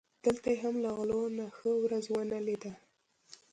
دلته یې هم له غلو نه ښه ورځ و نه لیده.